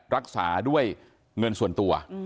รักษาด้วยเงินส่วนตัว